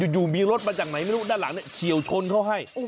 อยู่มีรถมาจากไหนไม่รู้ด้านหลังเฉียวชนเขาให้